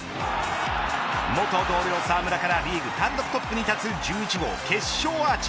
元同僚、澤村からリーグ単独トップに立つ１１号決勝アーチ。